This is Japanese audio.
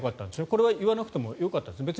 これは言わなくてもよかったんですよね。